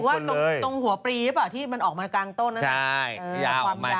นะหรือว่าตรงหัวปรีใช่ป่ะที่มันออกมากลางต้นนั่นมันต้องการมายาวของ